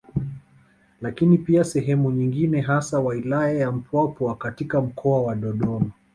Lakini pia sehemu nyingine hasa wailaya ya Mpwapwa katika mkoa wa Dodoma